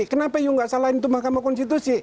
kenapa you gak salahin tuh mahkamah konstitusi